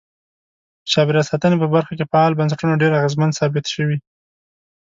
په چاپیریال ساتنې په برخه کې فعال بنسټونه ډیر اغیزمن ثابت شوي.